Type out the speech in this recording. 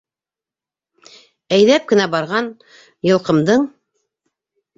Әйҙәп кенә барған йылҡымдың